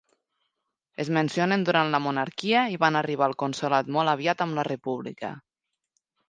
Es mencionen durant la monarquia i van arribar al consolat molt aviat amb la república.